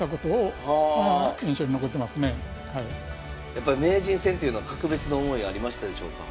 やっぱ名人戦というのは格別な思いがありましたでしょうか？